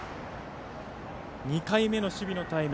２回目の守備のタイム。